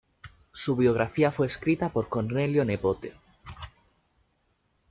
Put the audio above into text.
Su biografía fue escrita por Cornelio Nepote.